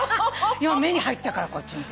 今目に入ったからこっち見てて。